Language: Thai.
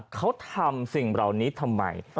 เขาทำสิ่งเหล่านี้ทำไม